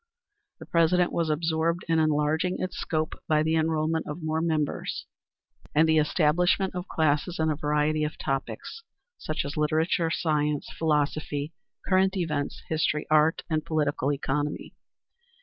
The president was absorbed in enlarging its scope by the enrollment of more members, and the establishment of classes in a variety of topics such as literature, science, philosophy, current events, history, art, and political economy.